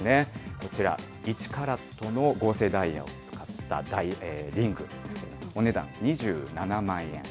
こちら、１カラットの合成ダイヤを使ったリング、お値段２７万円。